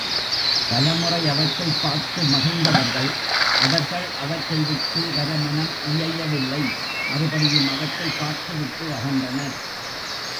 பலமுறை அவற்றைப் பார்த்து மகிழ்ந்தவர்கள் அவர்கள் அவற்றை விட்டு வர மனம் இயையவில்லை மறுபடியும் அவற்றைப் பார்த்துவிட்டு அகன்றனர்.